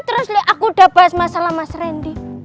terus lih aku udah bahas masalah mas rendy